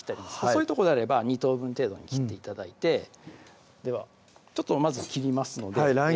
細いとこであれば２等分程度に切って頂いてではまず切りますのでは